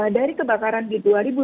dari kebakaran di dua ribu sembilan